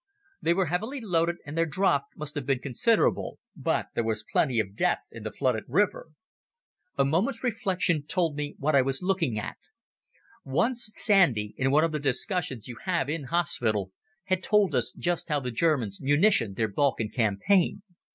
They were heavily loaded and their draught must have been considerable, but there was plenty of depth in the flooded river. A moment's reflection told me what I was looking at. Once Sandy, in one of the discussions you have in hospital, had told us just how the Germans munitioned their Balkan campaign.